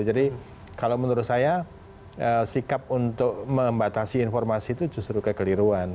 jadi kalau menurut saya sikap untuk membatasi informasi itu justru kekeliruan